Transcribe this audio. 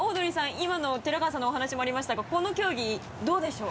今の寺川さんのお話にもありましたがこの競技どうでしょう？